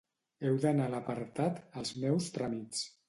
Heu d'anar a l'apartat Els meus tràmits.